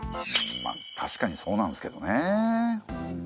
ま確かにそうなんですけどね。